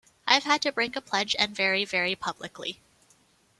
I've had to break a pledge and very, very publicly.